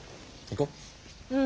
行こう。